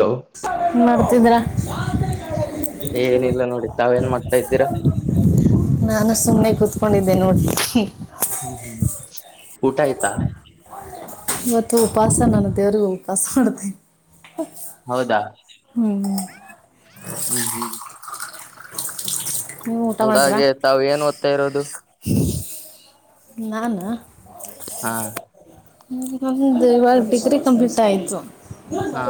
Hello ಏನ್ ಮಾಡರ್ತಿದ್ರ ಏನಿಲ್ಲ ನೋಡಿ ತಾವೇಏನ್ ಮಾಡ್ತಾ ಇದ್ದೀರಾ ನಾನು ಸುಮ್ಮನೆ ಕೂತ್ಕೊಂಡಿದ್ದೆ ನೋಡ್ ಊಟ ಆಯ್ತಾ ಇವತ್ತು ಉಪವಾಸ ನನ್ನ ದೇವ್ರಗ ಉಪವಾಸ ಮಾಡ್ತೇನೆ ಹೌದಾ ಹೂ ಹೂ ನೀವು ಊಟ ಮಾಡಿದ್ರಾ ಹಂಗಾಗೆ ತಾವು ಏನ್ ಓದ್ತಾ ಇರೋದು ನಾನಾ ಹಾ ಹೂ ನಮ್ದು ಇವಾಗ ಡಿಗ್ರಿ ಕಂಪ್ಲೀಟ್ ಆಯ್ತು ಹಾ ಹಾ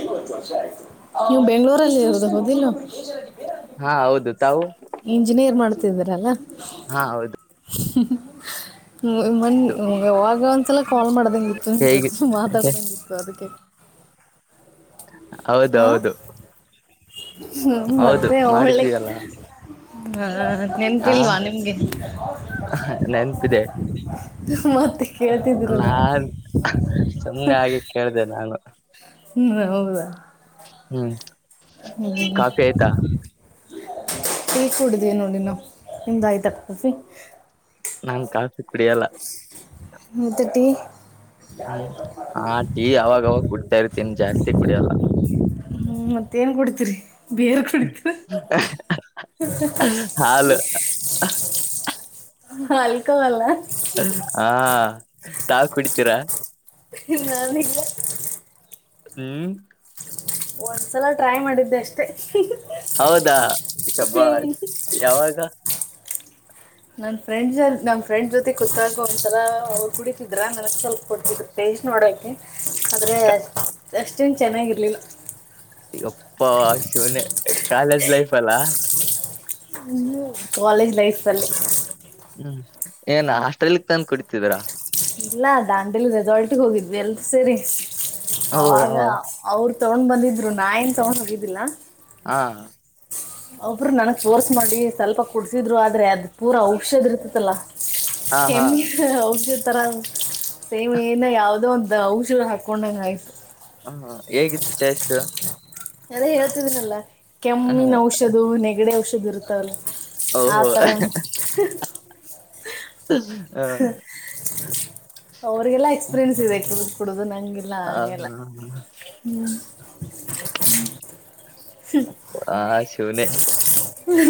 ಐವತ್ತು ವರ್ಷ ಆಯ್ತು ನೀವು್ ಬೆಂಗ್ೂರಲ್ಲಿ ಇರದು ಹೌದ ಇಲ್ಲೊ [unintelligible] ಹಾ ಹೌದು ತಾವು ಿದ್ರಲ್ಲಾ ಹಾ ಹೌದು ಮೊನ್ ಯಾಗ ಒಂದ್ಸಲ ಕಾಲ್ ಮಾಡ್ದಂಗ ಇತ್ತು ನಿಮ್ಮ ಹೇಗೆ ಜೊತೆ ಮಾತಾಡ್ದಂಗಿತ್ತು ಅದಕ್ಕೆ ಹೌದ ಹೌದು ಹೂ ಹೌದು ಮತ್ತೆ ಒಳ್ಳಿ ಹ ಹ ನೆನಪು ಇದೆ ಮತ್ತೆ ಕೇಳ್ತಿದ್ರಲ್ಲ ನಾನ್ ಅದಕ್ಕೆ ಸುಮ್ಮಾ ಹಾಗೆ ಕೇಳ್ದ ನಾನು ಹೂ ಹೌದಾ ಹೂ ಹೂ ಟೀ ಕುಡಿದ್ವಿ ನೋಡಿ ನಾ ನಿಮ್ದಾಯ್ತ ಕಾಫಿ ನಾನ್ ಕಾಫಿ ಕುಡಿಯಲ್ಲ ಹೌದ ಟೀ ಹ್ಮ್ ಆ ಟೀ ಅವಾಗವಾಗ ಕುಡ್ತಾ ಇರ್ತೀನಿ ಜಾಸ್ತಿ ಕುಡಿಯಲ್ಲ ಹೂ ಮತ್ತೇನ್ ಕುಡ್ತಿೀರಿ ಬೀರ್ ಕುಡಿತೀರಾ ಹಾಲು ಆಲ್ಕೊಹಾಲ್ ಹಾ ಹಾ ತಾವು ಕುಡಿತೀರಾ ನಾನಲ್ಲ ಹ್ಮ್ ಒಂದ್ಸಲ ಟ್ರೈ ಮಾಡಿದ್ದೆ ಅಷ್ಟೇ ಹೌದಾ ಶಬ ಯಾವಾಗ ನನ್ ಫ್ರೆಂಡ್ ನಮ್ಮ ಫ್ರೆಂಡ್ ಜೊತೆ ಗೊತ್ತಾಗ ಒಂಥರ ಅವ್ರು ಕುಡಿತಿದ್ರ ನನಗೆ ಸ್ವಲ್ಪ ಕೊಡ್ತರು ಪೇಸ್ಟ್ ನೋಡೋಕೆ ಆದ್ರೆ ಅಷ್ಟು ಚೆನ್ನಾಗಿರಲಿಲ್ಲ ಗಪ್ಪ ಶೂನ ಕಾಲೇಜ್ ಲೈಫ್ ಅಲ್ಲ ಹ್ಮ ಕಾಲೇಜ್ ಲೈಫ್ ಹ್ಮ್ ಏನ್ ಆಸ್ಟ್ರೇಲಿಯಕ್ ತಂದು ಕುಡಿತಿದೀರಾ ಇಲ್ಲ ದಾಂಡಲಿ ರೆಸಾಲ್ಟಗೆ ಹೋಗಿದ್ವಿ ಎಲ್ ಸರಿ ಓ ಅವಾಗ ಹೋ, ಅವ್ರ ತಗೊಂಡ್ ಬಂದಿದ್ರು ನಾ ಏನ್ ತೊಗೊಂಡ್ ಹೋಗಿದ್ದಿಲ್ಲಾ ಹಾ ಅವಬ್ರು ನನ ತೋರ್ಸ್ ಮಾಡಿ ಸ್ವಲ್ಪ ಕುಡ್ಸಿದ್ರು ಆದ್ರೆ ಅದ ಪೂರಾ ಔಷದ ಇರ್ತತಲ್ಲಾ ಹಾ ಹಾ ಕೆಮಿ ಹೌದು ತರಂಗ ಸೇಮ್ ಏನ ಯಾವವುದೋ ಒಂದು ಅ ಹಔಷಧ ಹಾಕೊಂಡಂಗ ಆಯ್ತು ಹಾ ಹೇಗಿತ್ತು ಟಷ್ಟು ಅದೇ ಹೇಳ್ತಿದೀನಲ್ಲ ಕೆಮ್ಮಿನ ಹ ಔಷಧ ನೆಗಡೆ ಔಷಧ ಇರ್ತಾವಲ್ಲ ಓಹೋ ಆತರ ಹ ಅವ್ರರಿಗೆಲ್ಲ ಎಕ್ಸ್ಪೀರಿಯನ್ಸ್ ಇದತ ಕೊಡುದುದು ನಂಗೆ ಲ್ಲ ಆ ಹಾಗೇಲ್ಲ ಹ್ಮ್ ಹ ಹ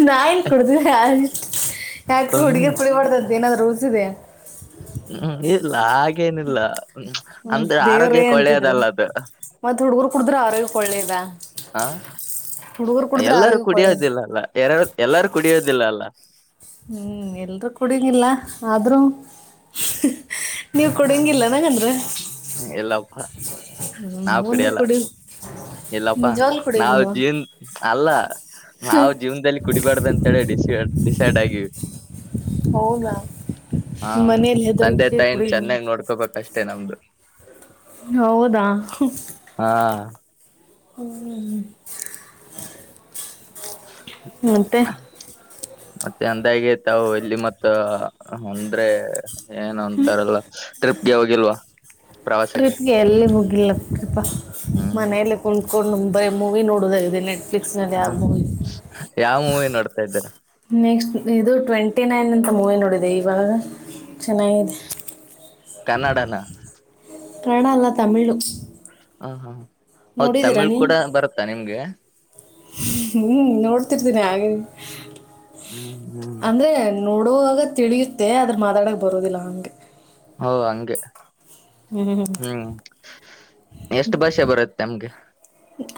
ನಾನ್ ಕೊಡ್ದನ ಯ ಯಾಕ ಹ್ಮ್ ಹುಗಿಗೆಡಿ ಮಾಡ ೇನಾದ್ೂ ರೂಸ್ ಇದೆ ಹ್ಮ್ ಇಲ್ಲ ಹಾಗೆ ಹಾಗ ನಿಲ್ಲ್ಮ ದೇವ್ರೇ ಅಂತಿದ್ರು [inaudible] ಮತ್ತ್ ಹುಡ್ಗರು ಕುಡುದ್ರ ಅವ್ರಾಗ ಒಳ್ಳೇದ ಹ ಎಲ್ಲರೂ ಕುಡಿಯೋದಿಲ್ಲಲ್ಲ ಎಲ್ಲಾರು ಕುಡಿಯೋದಿಲ್ಲ ಅಲ್ಲ ಹ್ಮ್ ಎಲ್ರೂ ಕುಡಿಂಗಿಲ್ಲ ಆದ್ರೂ ನೀವ್ ಹಾ ಕುಡಿಯಂಗಿಲ್ಲ ನನಗಂದ್ರ [inaudible] ಇಲ್ಲಪ್ಪ ಹ್ಮ್ [inaudible] ನಾವ್ ಮುಂದೆ ಕುಡಿಯಲ್ಲ ಕುಡಿ ಇಲ್ಲಪ್ಪಾ ನಿಜವಾಗ್ಲೂ ನಾವು ಕುಡಿಯಂಗಿಲ್ವಾ ಜೀವನ್ ಅಲ್ಲ ನಾವು ಜೀವನದಲ್ಲಿ ಕುಡಿಬಾರ್ದ ಅಂತ ಹೇಳಿಡಿಸಿ ಡಿಸೈಡ್ ಆಗಿವಿ ಹೌದ ಹಾ ಮನೇಲಿ ತಂದೆ ಹೆದರಿಕೆ ಕುಡ ತಾಯಿನ್ ಚೆನ್ನಾಗ್ ನೋಡ್ಕೋಬೇಕ ಅಷ್ಟೇ ನಮ್ದು ಹೌದಾ ಹಾ ಹ್ಮ್ ಮತ್ತೆ ಮತ್ತೆ ಅಂದಾಗೇ ತಾವು ಇಲ್ಲಿ ಮತ್ತ ಅಂದ್ರೆ ಏನ್ ಅಂತಾರಲ್ಲ ಟ್ರಿಪ್ಗೆ ಹೋಗಿಲ್ವಾ ಪ್ರವಾಸಕ್ಕೆ ಟ್ರಿಪ್ ಗೆ ಎಲ್ಲಿ ಹೋಗಿಲ್ಲ [unintelligible] ಹ್ಮ್ ಮನೆಯಲ್ಲಿ [unintelligible] [unintelligible] ಬರೀ ಮೂವಿ ನೋಡುದ ನೆಟ್ಫ್ಲಿಕ್ಸ್ ಅಲ್ಲಿ ಯಾವ ಮೂವಿ ನೋಡ್ತಾ ಇದ್ದಾರೆ ನೆಕ್ಸ್ಟ್ ಇದು ಟ್ವೆಂಟಿ ನೈನ್ ಅಂತ ಮೂವಿ ನೋಡಿದೆ ಇವಾಗ ಚೆನ್ನಾಗಿದೆ ಕನ್ನಡನ ಕನ್ನಡ ಅಲ್ಲಾ ತಮಿಳು ಹಾ ಹಾ ಹೌದ ನೋಡಿದ್ದೀರಾ ತಮಿಳ್ ಕೂಡ ಬರುತ್ತಾ ನಿಮ್ಗೆ ಹ್ಮ್ ನೋಡ್ತಿರ್ತೀನಿ ಆಗಾಗ ಹ್ಮ್ ಹ್ಮ್ ಅಂದ್ರೆ ನೋಡ್ ಕೊಡುವಾಗ ತಿಳಿಯುತ್ತೆ ಆದದ್ರ ಮಾತಾಡಕ್ ಬರುದಿಲ್ಲ ಹಂಗೆ ಓ ಹಂಗೆ ಹ್ಮ್ [inaudible] ಎಷ್ಟ್ ಭಾಷೆ ಬರುತ್ತೆ ನಮ್ಗೆ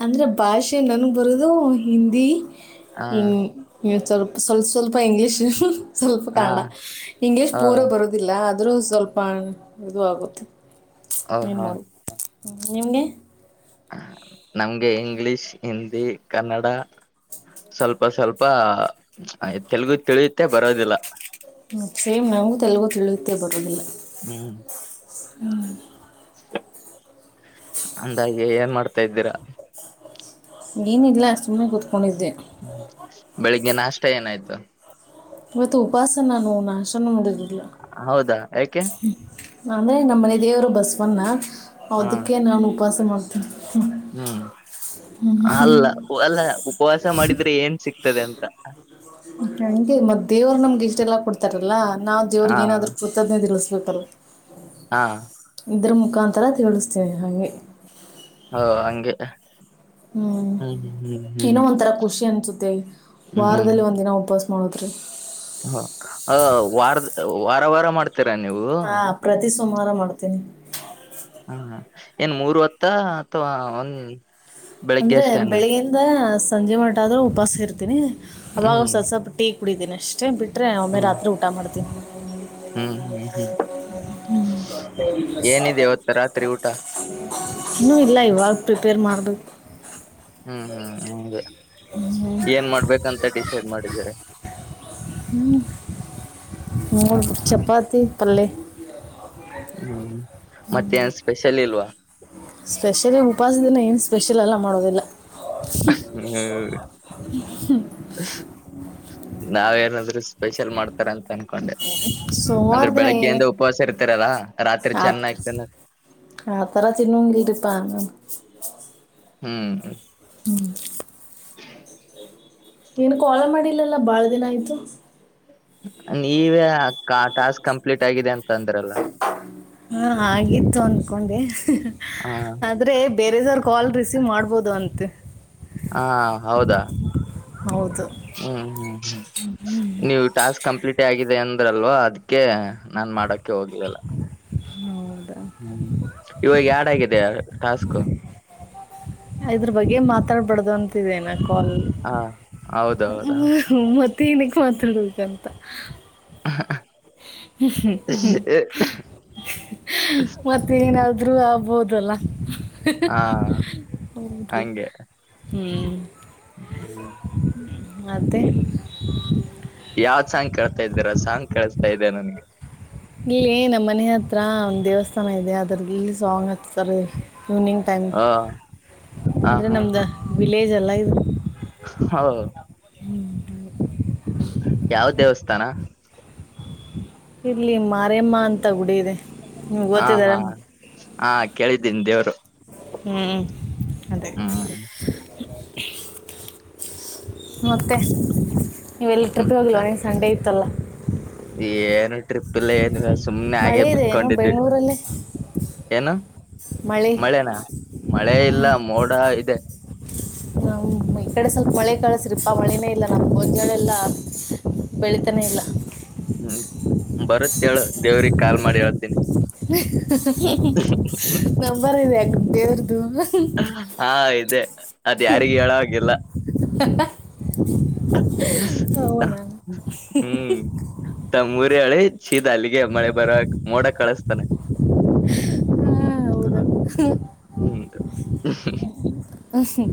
ಅಂದ್ರೆ ಭಾಷೆ ನನ್ಗ್ ಬರೋದು ಹಿಂದಿ ಹ [unintelligible] ಸ್ವಲ್ಪ ಸ್ವಲ್ಪ ಇಂಗ್ಲೀಷ್. ಸ್ವಲ್ಪ ಹ ಕಾಣ ಇಂಗ್ಲಿೀಷ್ ಹ ಪೂರ್ವ ಬರುದಿಲ್ಲ. ಅರೂ ಸ್ವಲ್ಪ ಇದು ಆಗುತ್ತೆ. ಓ ಹಾ. ಹ ನಿಮಗೆ. ನಮ್ಗೆ ಇಂಗ್ಲಿಷ್ ಹಿಂದಿ ಕನ್ನಡ ಸ್ವಲ್ಪ ಸ್ವಲ್ಪ ತೆಲುಗು ತಿಳಿಯುತ್ತೆ ಬರೋದಿಲ್ಲ. ಹ್ಮ ಸೇಮ್ ನಂಗಗೂ ತೆಗು ತಿಳಿಯುತ್ತೆ ಬರುದಿಲ್ಲ. ಹ್ಮ್ ಹ್ಮ. ಅಂದಾಗೆ ಏನ್ ಮಾಡ್ತಾ ಇದ್ದೀರಾ. ಏನಿಲ್ಲ ಸುಮ್ಮನೆ ಕುೂತ್ಕೊಂಡಿದ್ದೆ. ಬೆಳಿಗ್ಗೆ ನಾಷ್ಟ ಏನಾಯ್ತು. ಮವತ್ತತ್ ಉಪಾಸ ನಾನು ನಾಶನ ಮಾಡು. ಹೌದಾ ಯಾಕೆ. ಅಂದ್ರೆ ನಮ್ಮ ಮನೆ ದೇವರು ಬಸವಣ್ಣ. ಹ ಅದಕ್ಕೆ ನಾನು. ಬಸ ಮತ. ಹ್ಮ್ ಅಲ್ಲ ಅಲ್ಲ ಉಪವಾಸ ಮಾಡಿದ್ರೆ ಏನ್ ಸಿಕ್ತ. ಆಗ್ತದೆ ಅಂತ. ೆ ಹಂಗೆ ಮತ್ ದೇವ್ರು ನಮ್ಗೆ ಇಷ್ಟೆಲ್ಲಾ ಕೊಡ್ತಾರಲ್ಲಾ. ನಾ ಹಾ ದೇವ್ರಿಗೆ ಏನಾದ್ರೂತದ್ೇ ತಿರ. ಸಕ್ಕರ. ಹಾ. ಇದ್ರ ಮುಖಾಂತರ ತಿಳ. ಹ ಹಂಗೆ. ಹ್ಮ್ ಹ್ಮ್ ಹ್ಮ್ ಇನ್ನೋ ಒಂಥರ ಖುಷಿ ಅನ್ಸುತ್ತೆ ಹ್ಮ್ ವಾರದಲ್ಲಿ ಒಂದ್ ದಿನ. ಉಪಸ್ ಮಾಡಳೋದ್ರಿ. ಹ ವಾರದ ವಾರ ವಾರ ಮಾಡ್ತ. ಹತೀರಾ ನೀವು. ಸೋಮಾರ ಮಾಡ್ತೀನಿ. ಹಾ ಹ. ಏನ್ ಮೂರ್ ಹೊತ್ತ ಅಥವಾ ಒಂದ. ಅಂದ್ರೆ ಬೆಳಿಗ್ಿಂದ. ಸಂಜೆ ಮಟ್ಟ ಆದ್ರ ಉಪಾಸ ಇರ್ತೀನಿ. ಅಾಗ ಹ್ಮ್ ಸ ಸಪಟ್ಟ. ಕುಡಿದಿನಿ ಅಷ್ಟ ಬಿಟ್ಟ. ್ರೆ ಅಮೇ ಹ್ಮ್ ರತ್ರಿ ಉಊಟಾ ಮಾಡತ. ಹ್ಮ ಹ್ಮ್ ಹ್ಮ್ ಹ್ಮ್ ಏನಿದೆ ಇವತ್ತು ರಾತ್ರಿ ಊಟ ಇನ್ನೂ ಇಲ್ಲ ಇವಾಗಪ ಪೇರು ಮಾಡಾರದು ಹೌಗೆ ಏನ್ ಮಾಡ್ಬೇಕಂತ ಡಿಸೈಡ್ ಮಾಡಿದಿದ್ದಾರೆ ಮೂ್ಮ ಚಪಾತಿ ಪಲ್ಲೆ [unintelligible] ಹ್ಮ್ ಮತ್ತೆ ಏನ್ ಸ್ಪೆಷಲ್ ಇಲ್ವಾ ಸ್ಪೆಷಲೆ ಎಲ್ಲ ಮಾಡೋದಿಲ್ಲ ಹ್ಮ್ ಹ್ಮ ನಾವೇಏನಾದ್ರೂ ಸ್ಪೆಷಲ್ ಮಾಡ್ತ ಸೋಮಾರ ದಿನ ಬೆಳಗ್ಗೆಯಿಂದ ಉಪವಾಸ ಇರ್ತೀರಲ್ಲಾ ರಾತ್ರಿ ಆ ಚೆನ್ನಾಗಿ ತಿನ್ನಕ್ ಆ ತರ ತಿನ್ನುಂಗಿರಿಪಾನ [unintelligible] ಹ್ಮ್ ಹ್ಮ ಏನು ಕೋಳ ಮಾಡಿಲ್ಲಲ್ಲ ಬಾಳ ದಿನ ಆಯ್ತು ನೀವೇ ಟಾಸ್ಕ್ ಕಂಪ್ಲೀಟ್ ಆಗಿದೆ ಅಂತ ಅಂದ್ರಲ್ಲ ಹಾ ಆಗಿತ್ತು ಒಂದು ಕಕೊಂಡೆ ಹ ಆದ್ರರೆ ಬೇರೆದವ್ರ ಕಾಲ್ ರಿಸೀವ್ ಮಾಡ್ಬೋದು ಅಂತೆ ಹಾ ಹೌದಾ ಹೌದು ಹ್ಮ ಹ್ಮ ಹ ನೀವು ಟಾಸ್ಕ್ ಕಂಪ್ಟ್ ಆಗಿದೆ ಅಂದ್ರಲ್ವವಾ ಅದಕ್ಕೆ ನಾನ್ ಮಾಡಕ್ಕೆ ಹೋಗ್ಲಿಲ್ಲ ಹ್ಮ ಇವಾಗ ಯ ಚೆನ್ನಾಗಿದೆ ಟಾಸ್ಕ್ ಇದ್ರ ಬಗ್ಗೆ ಮಾತಾಡ್ಬಾರಡ್ದು ಅಂತಿದ್ದೇನ ಕಲ್ ಹಾ ಹೌದೌದಾ ಮತ್ತೆ ಮಾತಾಡ್ಬೇಕಂತ ಹ ಹ್ಮ್ಮ ಮತ್ತ ನಾದ್ರು ಹೌದಲ್ಲ ಹಾ ಹೌದು ಹಂಗೆ ಹ್ಮ್ ಅತ ಯಾವ್ ಸಾಂಗ್ ಕೇತಾ ಇದ್ದೀರ ಸಾಂಗ್ ಕಳಿಸಸ್ತಾ ಇದ್ದ ನನ್ಗೆ ಇಲ್ಲಿ ನಮ್ಮ್ ಮನೆ ಹತ್ರ ಒಂದ್ ದೇವಸ್ಥಾನ ಇದೆ ಅದ್ರ ಇಲ್ಲಿ ಸಾಂಗ್ ಹತ್ತ ಸರ್ ಈವ್ನಿಂಗ್ ಟೈಮ್ ಹ ಹ ಅಂದ್ರೆ ನಮ್ದ ವಿಲೇಜ್ ಅ ಎಲದು [unintelligible] ಹೌದು [unintelligible] ಯಾವ ದೇವಸ್ಥಾನ ಇಲ್ಲಿ ಮಾರಮ್ಮ ಅಂತ ಗುಡಿ ಇದೆ ನಿಮ್ಗ ಹಾ ಗೊತ್ತಿದೆ ಹಾ ಹಾ ಕೇಳಿದ್ದೀನೀ ದೇವ್ರು ಹೂ ಅದೇ ಹ್ಮ್ [inaudible] ಮತ್ತೆ ನೀವೆಲ್ಲ ಟ್ರಿಪ್ಗೆ ಮತ್ತೆ ಹೋಗಿಲ್ವನಿಗೆ ಸಂಡೆ ಇತ್ತಲ್ಲ ಏನು ಟ್ರಿಪ್ ಇಲ್ಲ ಏನ ಇಲ್ಲಾ ಮಳೆ ಇದೆ ಏನು ಬೆಂಗಳೂರಲ್ಲಿ ಏನು ಮಳೆ ಮಳೆನಾ ಮಳೆ ಇಲ್ಲ ಮೋಡ ಇದೆ ನಂಗ್ ಈ ಕಡೆ ಸ್ವಲ್ಪ ಮಳೆ ಕಳಸ್ರಿಪಾ ಮಳೆನೇ ಇಲ್ಲ [unintelligible] ಇಲ್ಲ ಬೆಳತಾನೇ ಇಲ್ಲ ಬರತ್ ಏಳು ದೇವ್ರಿಗೆ ಕಾಲ್ ಮಾಡಿ ಹೇಳ್ತನಿ ನಂಬರ್ ಇದೆ ದೇವರುದು ಹಾ ಇದೆ ಅದ ಯಾರಿಗೆ ಹೇಳೋ ಹಾಗಿಲ್ [unintelligible] ಹೌದಾ ಹ್ಮ್ ತಮ್ಮೂರಿ ಹೇಳಿ ಶೀದಾ ಅಲ್ಲಿಗೆ ಮಳೆ ಬರಕ್ ಮೋಡ ಕಳಸ್ತಾನೆ ಹಾಂ ಹಾ ಹೌದಾ ಹ್ಮ್ [inaudible] ಹ್ಮ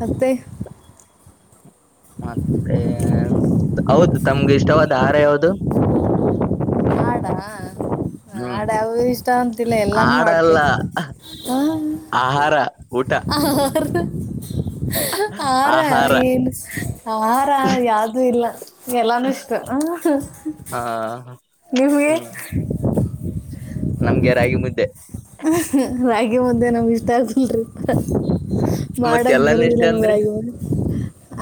ಮತ್ತೆ ಮತ್ತೆ ಹೌದು ತಮ್ಗೆ ಇಷ್ಟವಾದ ಹಾರ ಯಾವದು ಹಾಡ ಹ್ಮ್ ಹಾಡ್ ಯಾವ ಇಷ್ಟ ಅಂತಿಲ್ಲ ಎಲ್ಲಾನು ಆಡಲ್ಲ ಹಾಡ್ಕೊಂಟಿನಿ ಆಹಾರ ಊಟ [unintelligible] [unintelligible] ಆಹಾರ ಏನು ಆಹಾರ ಯಾವ್ದೂ ಇಲ್ಲ ಎಲ್ಲಾನು ಇಷ್ಟ ಹ ನಿಮ್ಗೆ [unintelligible] ಹ್ಮ್ ನಮ್ಗೆ ರಾಗಿ ಮುದ್ದೆ ರಾಗಿ ಮುದ್ದೆ ನಮ್ಗೆ ಇಷ್ಟ [unintelligible] ಮತ್ತೆ ಮಾಡಕ್ ಎಲ್ಲಾನ ಇಷ್ಟ ಬರುದಿಲ್ಲ ನಂಗೆ ಅಂದ್ರಿ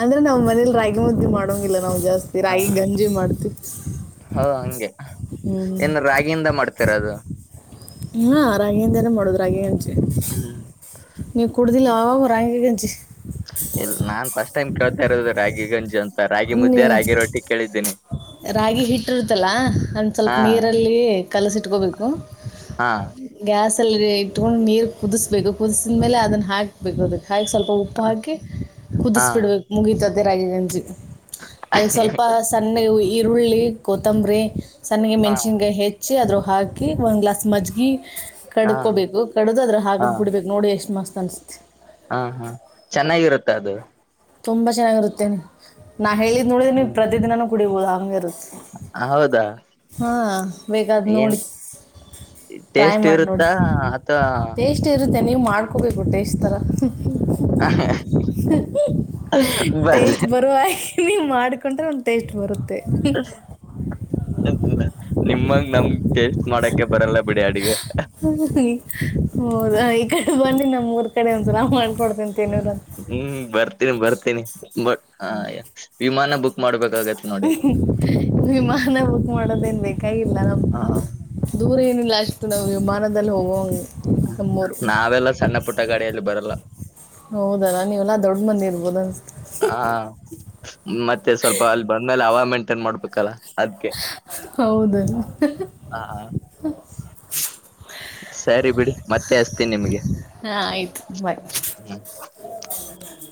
ಅಂದ್ರೆ ನಾವ್ ಮನೇಲಿ ರಾಗಿ ಮುದ್ದೆಿ ಮಾಡ [unintelligible] ನಾವವು ಜಾಸ್ತಿ ಹ ರಾಗಿ ಗಂಜಿ ಮಾಡ್ತಿೀವಿ ಹ ಹ್ಮ್ ತರ ಅದು ಹಾ ರಾಗಿಿಂದನ ಮಾಡುದು ರಾಗಿ ಗೇಜ್ ಹ್ಮ್ ಅವಾಗ ರಾಗಿ ಗಂಜಿ ಇಲ್ಲ ನಾನ್ ಫಸ್ಟ್ ಟೈಮ್ ಕೇಳ್ತಾ ಇರೋದು ರಾಗಿ ಗೇಜ್ ಅಂತ ರಾಗಿ ನೀ ಮುದ್ದೆ ರಾಗಿ ರೊಟ್ಟಿ ಕೇಳಿದ್ದೀನಿ ರಾಗಿ ಹಿಟ್ಟಿರ್ತಲ್ಲಾ ಒಂದ್ ಸ್ವಲ್ಪ ಹಾ ನೀರಲ್ಲಿ ಕಲಸಿಟ್ಟ ಇಟ್ಕೋಬೇಕು ಹಾ ಇಟ್ಕೊಂಡು ನೀರು ಕುದಿಸ್ಬೇಕು ಕುದಿಸಿದ ಮೇಲೆ ಅದನ್ನ ಹಾಕ್ಬೇಕು ಅದು ಹಾಗೆ ಸ್ವಲ್ಪ ಉಪ್ಪು ಹಾಕಿ ಹಾ ಕುದಿಸ್ಬಿಡ್ಬೇಕು ಮುಗಿತದ ಅದೇ ರಾಗಿ ಗೇಜ್ ಅದಕ್ ಸ್ವಲ್ಪ ಸಣ್ಣ ಈರುಳ್ಳಿ ಗೌತ್ತಂಬ್ರ ಸಣ್ಣಿಗೆ ಮೆಣ್ಸಿನ್ಗಾಯ ಹೆಚ್ಚಿ ಅದ್ರ ಹಾಕಿ ಒಂದು ಗ್ಲಾಸ್ ಮಜ್ಜಿಗೆ ಹಾ ಕಡ್ಕೋಬೇಕು ಕಡ್ದ ಅದ್ರ ಹಾ ಆಗಂಗ ಕುಡ್ಬೇಕು ನೋಡಿ ಎಷ್ಟು ಮಸ್ತ್ ಅನಸ್ತಿತಿ ತದು ತುಂಬಾ ಚೆನ್ನಾಗಿರುತ್ತೆ ನಾ ಹೇಳಿದ ನೋಡಿದಿ ನೀವು ಪ್ರತ ದಿನ ಕುಡೆಬವಾಡೋ ಹಾಗ ಇರು ಹೌದಾ ಹಾ ಬೇಕಾದ ಏನ್ ನೋಡಿ ಟ್ರೈ ಟೇಸ್ಟ್ ಮಾಡಿ ನೋಡಿ ಇರುತ್ತಾ ಅಥವಾ ಟೇಸ್ಟ್ ಇ ನೀವು ಮಾಡ್ಕೋಬೇಕುಟ್ಟೆ ಟೇಸ್ಟ್ ತರ [unintelligible] ಬಂದ ಟೇಸ್ಟ್ ಬರೋ ಹಾಗೆ ನೀವು ಮಾಡ್ಕೊಂಡ್ರೆ ಒಂದು ಟೇಸ್ಟ್ ಬರುತ್ತೆ [unintelligible] ಅ ನಿಮಂಗ ನಮ್ ಟೇಸ್ಟ್ ಮಾಡಕ್ಕೆ ಬರಲ್ಲ ಬಿಡಿ ಅಡಿಗೆ ಹೌದ ಈ ಕಡೆ ಬಂದ ನಮ್ ಊರ್ ಕಡೆ ಒಂದು ಸಲ ಮಾಡ್ಕಡ್ ಹ್ಮ್ ಬರ್ತ ಬರ್ತೀನಿ ಬ ಹ ವಿಮಾನ ಬು ಮಾಡ್ಬೇಕು ಹ್ಮ ಹ್ಮ್ ವಿಮಾನ ಬುಕ್ ಮಾಡೋದೇನ್, ಕೈ ಇಲ್ಲ ಹ ದೂರ ಏನಿ ಪ್ಲಾಸ್ಟು ಲೈನ್ ವಿಮಾನದಲಿ ಹೋಗವಂಗೆ ನಮ್ಮೂರು ನಾವೆಲ್ಲ ಸಣ್ಣ ಪುಟ್ಟ ಗಾಡಿಯಲ್ಲಿ ಬರಲ್ಲ ಹೌದ, ನೀವೆಲ್ಲಾ ದೊಡ್ಡ ಮನೆಲಿ. ರಿಲಯನ್ಸ್ ಹ ಹಾ ಮತ್ತೆ ಸ್ವಲ್ಪ ಅಲ್ಲಿ ಬಂದ್ಮೇಲೆ ಅವ ಮೇಂಟೈನ್ ಮಾಡ್ಬೇಕಲ್ಲ, ಅದ್ಕೆ ಹೌದು ಹ ಹ ಸಾರಿ ಬಿಡಿ ಮತ್ತೆ ಹಚ್ತೀನಿ ನಿಮ್ಗೆ ಹಾಂ ಆಯ್ತು ಬಾಯ್ ಹ್ಮ